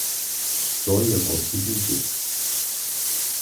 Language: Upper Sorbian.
To je rozsudny dypk.